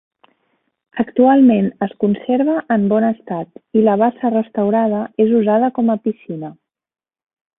Actualment es conserva en bon estat i la bassa restaurada és usada com a piscina.